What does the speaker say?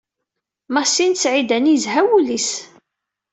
Masin Sɛidani yezha wul-is.